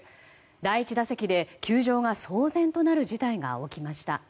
第１打席で球場が騒然となる事態が起きました。